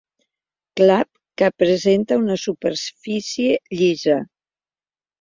Clap que presenta una superfície llisa.